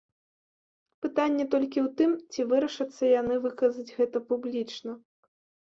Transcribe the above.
Пытанне толькі ў тым, ці вырашацца яны выказаць гэта публічна.